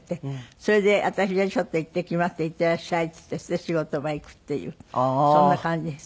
それで私が「ちょっといってきます」って「いってらっしゃい」って言って仕事場行くっていうそんな感じです。